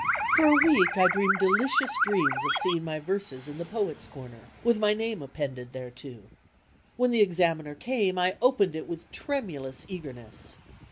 For a week I dreamed delicious dreams of seeing my verses in the Poet's Comer; with my name appended thereto. When the Examiner came, I opened it with tremu lous eagerness.